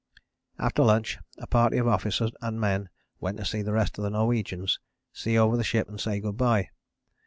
After lunch a party of officers and men went to see the rest of the Norwegians, see over the ship, and say good bye.